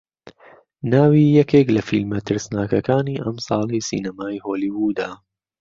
ناوی یەکێک لە فیلمە ترسناکەکانی ئەمساڵی سینەمای هۆلیوودە